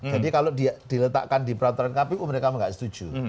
jadi kalau diletakkan di peraturan kpu mereka nggak setuju